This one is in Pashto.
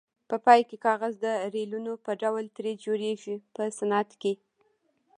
په پای کې کاغذ د ریلونو په ډول ترې جوړیږي په صنعت کې.